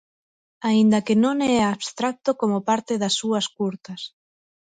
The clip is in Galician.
Aínda que non é abstracto como parte das súas curtas.